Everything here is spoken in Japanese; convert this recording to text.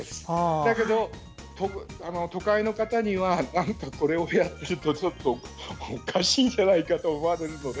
だけど、都会の方にはこれをやっているとちょっとおかしいんじゃないかと思われるので。